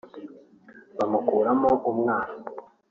bamukuramo umwana